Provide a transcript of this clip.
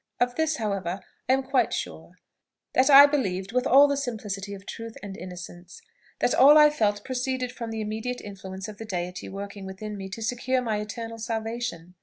Of this, however, I am quite sure, that I believed with all the simplicity of truth and innocence, that all I felt proceeded from the immediate influence of the Deity working within me to secure my eternal salvation.